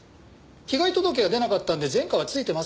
被害届が出なかったんで前科はついてませんけどね。